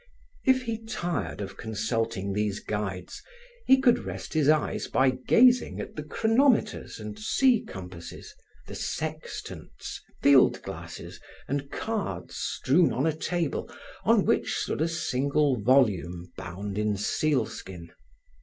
If he tired of consulting these guides, he could rest his eyes by gazing at the chronometers and sea compasses, the sextants, field glasses and cards strewn on a table on which stood a single volume, bound in sealskin.